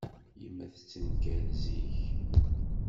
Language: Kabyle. Yemma tettenkar zik.